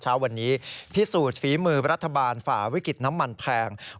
เช้าวันนี้พิสูจน์ฝีมือรัฐบาลฝ่าวิกฤตน้ำมันแพง